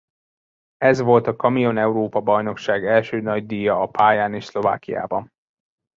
Ez volt a kamion-Európa-bajnokság első nagydíja a pályán és Szlovákiában.